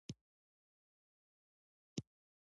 رزق د چا په لاس کې دی؟